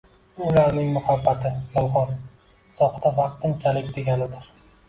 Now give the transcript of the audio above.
Bu, ularning “muhabbati” yolg‘on, soxta, vaqtinchalik, deganidir.